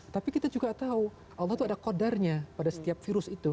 tapi kita juga tahu allah itu ada kodarnya pada setiap virus itu